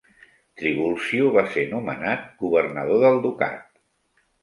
Trivulzio va ser nomenat governador del ducat.